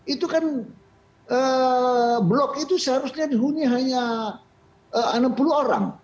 itu kan blok itu seharusnya dihuni hanya enam puluh orang